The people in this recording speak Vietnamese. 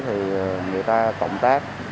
thì người ta cộng tác